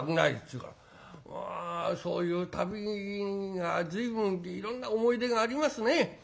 そういう旅が随分いろんな思い出がありますね。